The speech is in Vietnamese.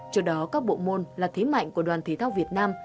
cho đó các bộ môn là thế mạnh của đoàn thể thao việt nam